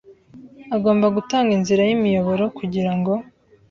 agomba gutanga inzira y imiyoboro kugira ngo